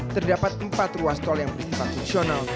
terdapat empat ruas tol yang berikutnya fungsional